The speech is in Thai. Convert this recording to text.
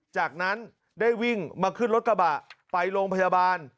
จากนั้นได้วิ่งมาขึ้นรถกระบะไปโรงพยาบาล